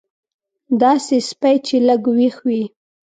داسې سپی چې لږ وېښ وي.